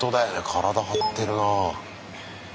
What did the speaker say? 体張ってるなあ。